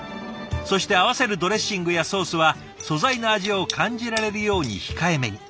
そして合わせるドレッシングやソースは素材の味を感じられるように控えめに。